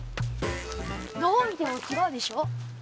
どう見てもちがうでしょ。